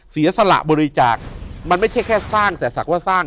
เสียสละบริจาคมันไม่ใช่แค่สร้างแต่ศักดิ์ว่าสร้าง